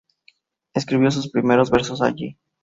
Escribió sus primeros versos allí.